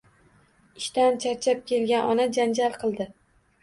Ishdan charchab kelgan ona janjal qildi.